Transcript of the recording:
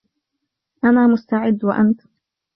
أنا مستعد. وأنت ؟